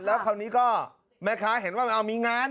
อาจจะไม่ได้เปิดให้ตั้งร้าน